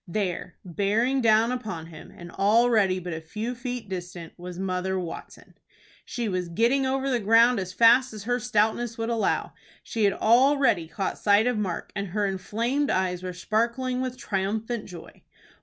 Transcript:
There, bearing down upon him, and already but a few feet distant, was Mother Watson! She was getting over the ground as fast as her stoutness would allow. She had already caught sight of Mark, and her inflamed eyes were sparkling with triumphant joy.